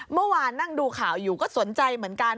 เมื่อวานนั่งดูข่าวอยู่ก็สนใจเหมือนกัน